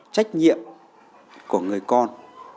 trách nhiệm của người con